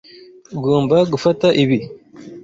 Ugomba gufata ibi.